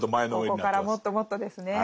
ここからもっともっとですね。